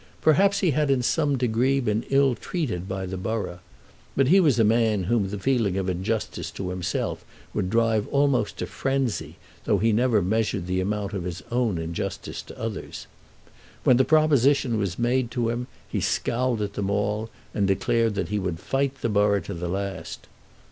Perhaps he had in some degree been ill treated by the borough. But he was a man whom the feeling of injustice to himself would drive almost to frenzy, though he never measured the amount of his own injustice to others. When the proposition was made to him, he scowled at them all, and declared that he would fight the borough to the last.